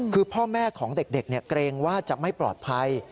คือพ่อแม่ของเด็กเกรงว่าจะไม่ปลอดภัย